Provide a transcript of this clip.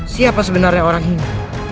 siapa sebenarnya orang ini